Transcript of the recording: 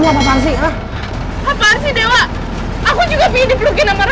apaan sih ini